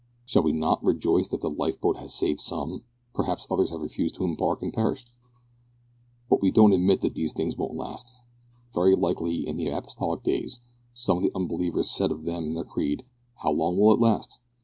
Shall we not rejoice that the lifeboat has saved some, because others have refused to embark and perished? But we don't admit that these things won't last. Very likely, in the apostolic days, some of the unbelievers said of them and their creed, `How long will it last?'